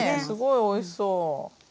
すごいおいしそう！